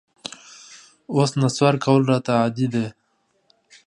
اوس نسوار کول راته عادي دي